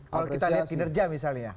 kalau kita lihat kinerja misalnya